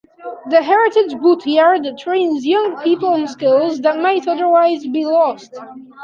The Heritage Boatyard trains young people in skills that might otherwise be lost.